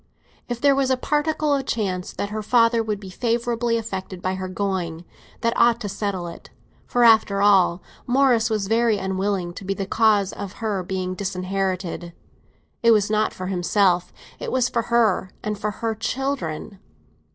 If there was a particle of chance that her father would be favourably affected by her going, that ought to settle it; for, after all, Morris was very unwilling to be the cause of her being disinherited. It was not for himself, it was for her and for her children.